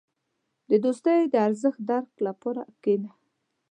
• د دوستۍ د ارزښت درک لپاره کښېنه.